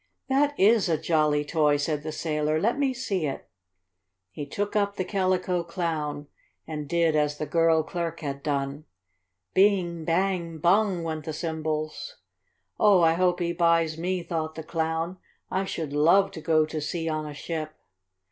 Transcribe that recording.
"That is a jolly toy," said the sailor. "Let me see it." He took up the Calico Clown, and did as the girl clerk had done. "Bing! Bang! Bung!" went the cymbals. "Oh, I hope he buys me," thought the Clown. "I should love to go to sea on a ship."